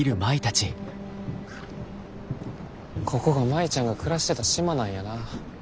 ここが舞ちゃんが暮らしてた島なんやな。